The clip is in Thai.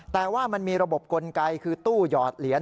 แต่ว่ามันมีระบบกลไกคือตู้หยอดเหรียญ